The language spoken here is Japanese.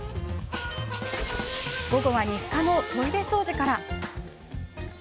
午後は、日課のトイレ掃除から。